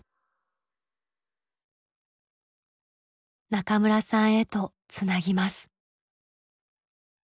中村さんへとつなぎます。